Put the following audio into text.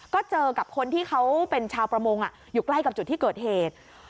ก็เจอกับคนที่เขาเป็นชาวประมงอยู่ใกล้กับจุดที่เกิดเหตุ